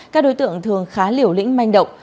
các đối tượng thường khá liều lĩnh manh động